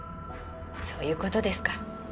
そういう事ですか。